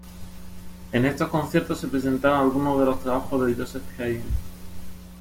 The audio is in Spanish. En estos conciertos se presentaron algunos de los trabajos de Joseph Haydn.